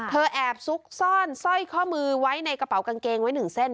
แอบซุกซ่อนสร้อยข้อมือไว้ในกระเป๋ากางเกงไว้หนึ่งเส้น